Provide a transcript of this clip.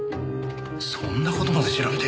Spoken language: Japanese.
そんな事まで調べて！